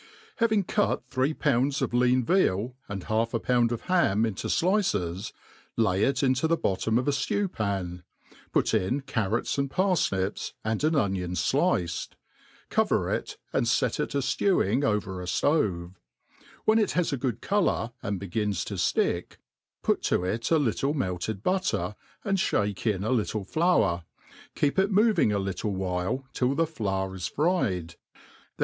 HAVING cut three pounds of lean veal, and half a pound of ham into flipes, lay it iato the boftom of a ftew*pan ; put iit carrots and parfnips, a9d an onion fliced ; coyer it, and fet it a f^ewing over a ftove : when it h^s a good colour^ and begins to ftick, put to it a little melted butter, and fhake in a little flour, keep it moving a little while till the flour is fried : ^hen.